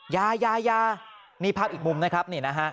ยานี่ภาพอีกมุมนะครับ